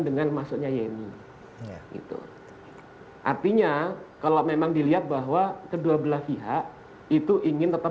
dengan masuknya yeni itu artinya kalau memang dilihat bahwa kedua belah pihak itu ingin tetap